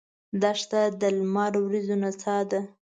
دښته د لمر وریځو نڅا ده.